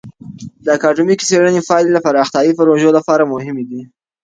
د اکادمیکې څیړنې پایلې د پراختیایي پروژو لپاره مهمې دي.